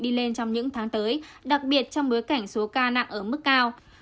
đi lên trong những tháng tới đặc biệt trong bối cảnh số ca nặng ở mức cao